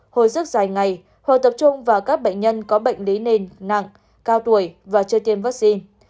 hồi sức dài ngày họ tập trung vào các bệnh nhân có bệnh lý nền nặng cao tuổi và chưa tiêm vaccine